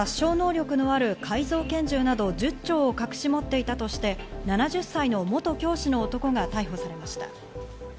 殺傷能力のある改造拳銃など１０丁を隠し持っていたとして７０歳の元教師の男が逮捕されました。